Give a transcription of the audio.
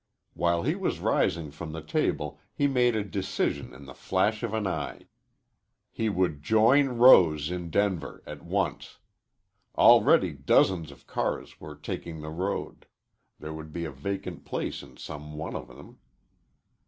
While he was rising from the table he made a decision in the flash of an eye. He would join Rose in Denver at once. Already dozens of cars were taking the road. There would be a vacant place in some one of them.